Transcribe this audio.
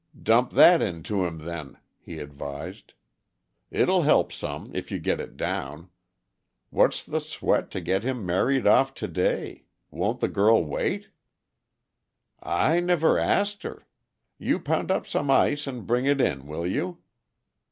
"Dump that into him, then," he advised. "It'll help some, if you get it down. What's the sweat to get him married off to day? Won't the girl wait?" "I never asked her. You pound up some ice and bring it in, will you?"